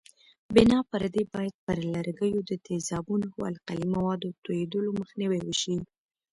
بنا پر دې باید پر لرګیو د تیزابونو او القلي موادو توېدلو مخنیوی وشي.